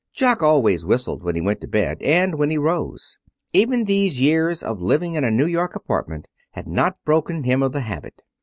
Jock always whistled when he went to bed and when he rose. Even these years of living in a New York apartment had not broken him of the habit.